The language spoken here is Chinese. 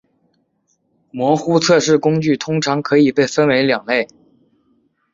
模糊测试工具通常可以被分为两类。